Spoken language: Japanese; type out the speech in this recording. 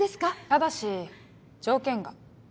ただし条件が。